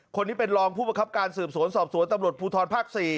คนนี้เป็นรองผู้ประคับการสืบสวนสอบสวนตำรวจภูทรภาค๔